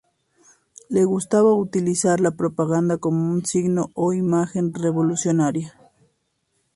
Le gustaba utilizar la propaganda como un signo o imagen revolucionaria.